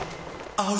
合う！！